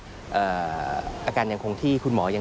พบหน้าลูกแบบเป็นร่างไร้วิญญาณ